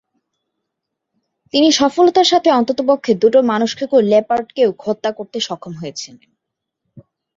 তিনি সফলতার সাথে অন্ততপক্ষে দুটো মানুষখেকো লেপার্ডকেও হত্যা করতে সক্ষম হয়েছিলেন।